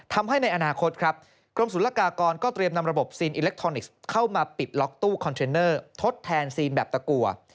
ทำให้ในอนาคตครับกรมศุลกากรก็เตรียมนำระบบซีนอิเล็กทรอนิกส์เข้ามาปิดล็อกตู้คอนเทนเนอร์ทดแทนซีนแบบตะกัว